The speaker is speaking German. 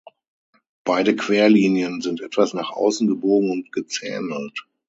Beide Querlinien sind etwas nach außen gebogen und gezähnelt.